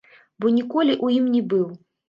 Бо ніколі ў ім не быў.